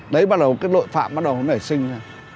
đấy bắt đầu cái lội phạm bắt đầu nó nảy sinh ra